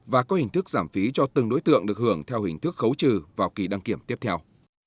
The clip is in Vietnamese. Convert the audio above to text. và có hình thức giảm phí cho từng đối tượng được hưởng theo hình thức khấu trừ vào kỳ đăng kiểm tiếp theo